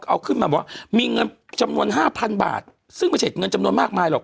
เอาขึ้นมาบอกว่ามีเงินจำนวน๕๐๐บาทซึ่งไม่ใช่เงินจำนวนมากมายหรอก